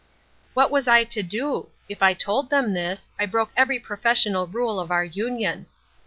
"What was I to do? If I told them this, I broke every professional rule of our union.